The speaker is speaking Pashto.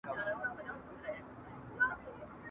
غرڅه ډوب وو د ښکرونو په ستایلو !.